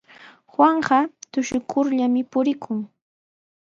Juanqa tushukurllami purikun.